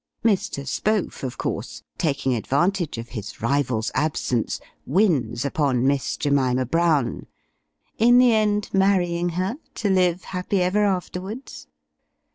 Mr. Spohf, of course, taking advantage of his rival's absence, wins upon Miss Jemima Brown in the end, marrying her, to live happy ever afterwards?